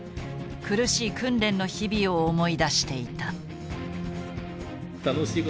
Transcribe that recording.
苦しい訓練の日々を思い出していた。